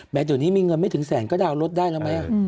แม้ตอนนี้มีเงินไม่ถึงแสนก็ดาวน์รถได้ละมั้ย